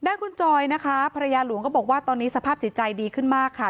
ด้านคุณจอยนะคะภรรยาหลวงก็บอกว่าตอนนี้สภาพจิตใจดีขึ้นมากค่ะ